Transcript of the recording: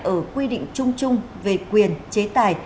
ở quy định chung chung về quyền chế tài